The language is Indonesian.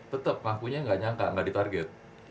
tetep ngakunya gak nyangka gak di target